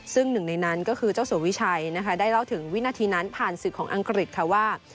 ซึ่งหนึ่งในนั้นก็คือเจ้าสัววิชัยนะคะได้เล่าถึงวินาทีนั้นผ่านศึกของอังกฤษค่ะว่า